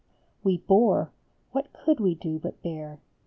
We bore what could we do but bear